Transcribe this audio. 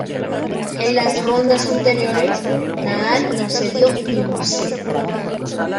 En las rondas anteriores Nadal no cedió ni un set.